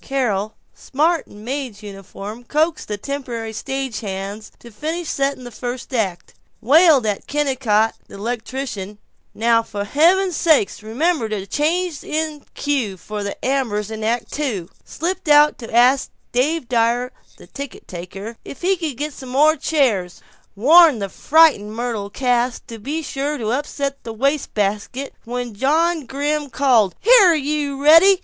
Carol, smart in maid's uniform, coaxed the temporary stage hands to finish setting the first act, wailed at Kennicott, the electrician, "Now for heaven's sake remember the change in cue for the ambers in Act Two," slipped out to ask Dave Dyer, the ticket taker, if he could get some more chairs, warned the frightened Myrtle Cass to be sure to upset the waste basket when John Grimm called, "Here you, Reddy."